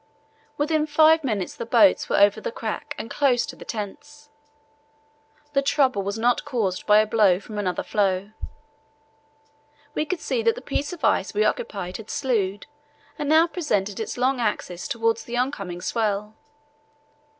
Within five minutes the boats were over the crack and close to the tents. The trouble was not caused by a blow from another floe. We could see that the piece of ice we occupied had slewed and now presented its long axis towards the oncoming swell.